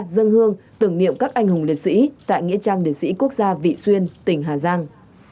dân hương tưởng niệm các anh hùng liệt sĩ tại nghĩa trang liệt sĩ quốc gia vị xuyên tỉnh hà giang